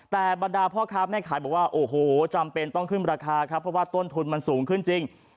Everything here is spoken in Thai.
แต่บรรดาพ่อค้าแม่ขายบอกว่าโอ้โหจำเป็นต้องขึ้นราคาครับเพราะว่าต้นทุนมันสูงขึ้นจริง